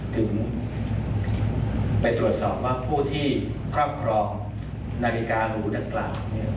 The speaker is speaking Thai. ถึงไปตรวจสอบว่าผู้ที่ครอบครองนาฬิการูดังกล่าว